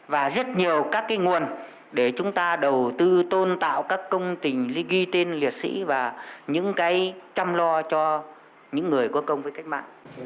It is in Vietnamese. và rất nhiều các cái nguồn để chúng ta đầu tư tôn tạo các công trình ghi tên liệt sĩ và những cái chăm lo cho những người có công với cách mạng